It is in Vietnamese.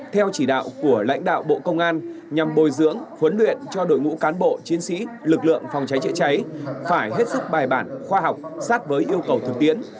theo chỉ đạo của lãnh đạo bộ công an nhằm bồi dưỡng huấn luyện cho đội ngũ cán bộ chiến sĩ lực lượng phòng cháy chữa cháy phải hết sức bài bản khoa học sát với yêu cầu thực tiễn